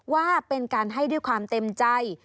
ว่าเป็นการให้ด้วยความเต็มใจ